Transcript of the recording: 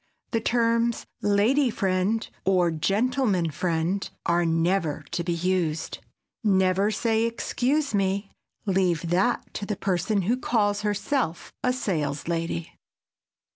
The terms "lady friend" or "gentleman friend" are never to be used. Never say "Excuse me!" Leave that to the person who calls herself a "saleslady."